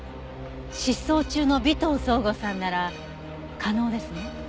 失踪中の尾藤奏吾さんなら可能ですね？